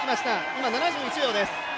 今７１秒です。